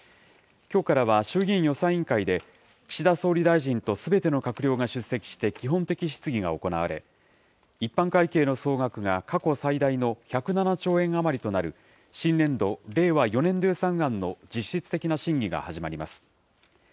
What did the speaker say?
きょうからは衆議院予算委員会で、岸田総理大臣とすべての閣僚が出席して基本的質疑が行われ、一般会計の総額が過去最大の１０７兆円余りとなる、新年度・令和４年度予算案の実質的な審議が始まります。